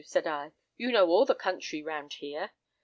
said I; 'you know all the country round here.